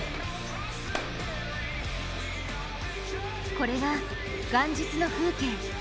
これが元日の風景。